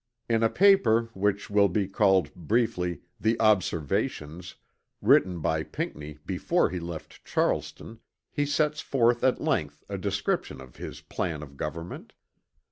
In a paper which will be called, briefly, "the Observations" written by Pinckney before he left Charleston he sets forth at length a description of his plan of government.